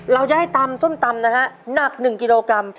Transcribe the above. เราจะให้ตำส้มตำนะฮะหนัก๑กิโลกรัม